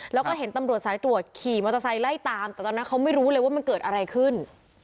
แล้วก็เห็นตำรวจสายตรวจขี่มอเตอร์ไซค์ไล่ตามแต่ตอนนั้นเขาไม่รู้เลยว่ามันเกิดอะไรขึ้น